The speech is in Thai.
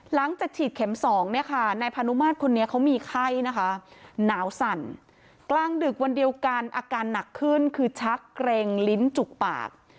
หลังจากฉีดเข็มสองเนี่ยค่ะนายพานุมาตรคนนี้เขามีไข้นะคะหนาวสั่นกลางดึกวันเดียวกันอาการหนักขึ้นคือชักเกร็งลิ้นจุกปาก